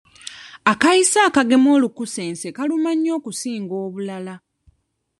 Akayiso akagema olukusense kaluma nnyo okusinga obulala.